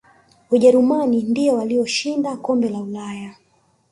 ujerumani ndiyo waliyoshinda kombe la ulaya